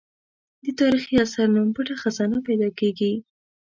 د تاریخي اثر نوم پټه خزانه پیدا کېږي.